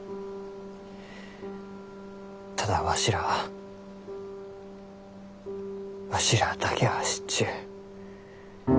ただわしらはわしらあだけは知っちゅう。